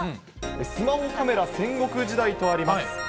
スマホカメラ、戦国時代とあります。